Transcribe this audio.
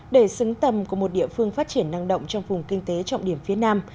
để xứng tầm của một địa phương phát triển năng động trong vùng kinh tế trọng điểm phía nam